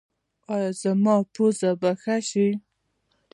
ایا زما پوزه به ښه شي؟